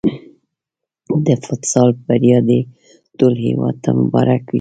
د فوتسال بریا دې ټول هېواد ته مبارک وي.